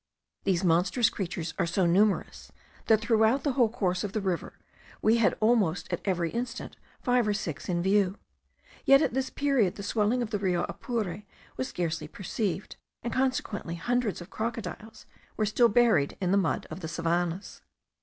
These monstrous creatures are so numerous, that throughout the whole course of the river we had almost at every instant five or six in view. Yet at this period the swelling of the Rio Apure was scarcely perceived; and consequently hundreds of crocodiles were still buried in the mud of the savannahs.